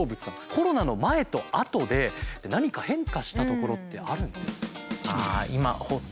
コロナの前と後で何か変化したところってあるんですか？